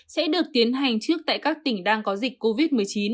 sẽ được tiến hành trước tại các tỉnh đang có dịch covid một mươi chín